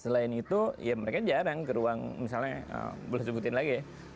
selain itu ya mereka jarang ke ruang misalnya boleh sebutin lagi ya